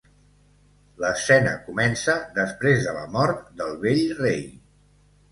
L'escena comença després de la mort del vell rei.